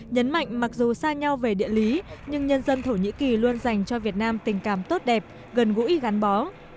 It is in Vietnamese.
nhấn mạnh mặc dù xa nhau về địa lý nhưng nhân dân thổ nhĩ kỳ luôn dành cho việt nam tình cảm tốt đẹp gần gũi gắn bó